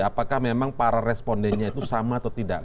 apakah memang para respondennya itu sama atau tidak